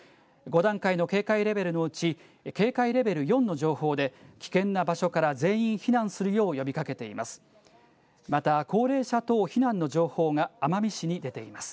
５段階の警戒レベルのうち、警戒レベル４の情報で、危険な場所から全員避難するよう呼びかけています。